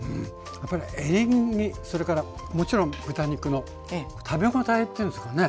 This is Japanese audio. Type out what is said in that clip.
やっぱりエリンギそれからもちろん豚肉も食べごたえっていうんですかね。